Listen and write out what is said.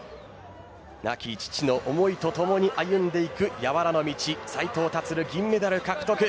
亡き父の思いとともに歩んでいく柔の道、斉藤立、銀メダル獲得。